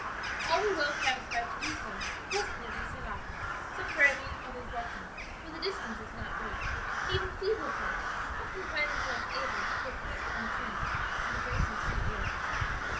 All were well satisfied to do so, and presently they set off, some driving, others walking, for the distance is not great, and even feeble folk often find themselves able to take quite long tramps in the bracing sea air.